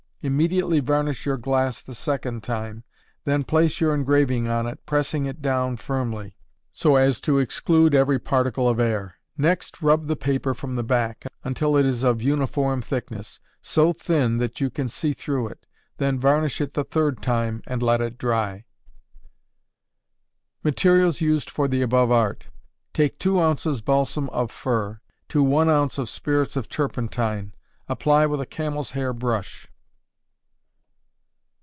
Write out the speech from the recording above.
Immediately varnish your glass the second time, then place your engraving on it, pressing it down firmly, so as to exclude every particle of air; next rub the paper from the back, until it is of uniform thickness so thin that you can see through it, then varnish it the third time, and let it dry. Materials Used for the Above Art. Take two ounces balsam of fir, to one ounce of spirits of turpentine; apply with a camel's hair brush.